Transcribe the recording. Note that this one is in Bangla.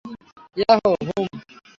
ইয়াহ, হুম।